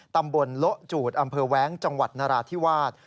ตำบลโละจูดอำเภอแว้งจังหวัดนราธิวาส